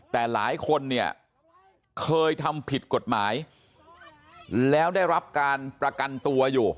แต่หลายคนเนี่ยเคยทำผิดกฎหมายแล้วได้รับการประกันตัวอยู่